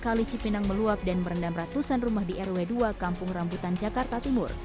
kali cipinang meluap dan merendam ratusan rumah di rw dua kampung rambutan jakarta timur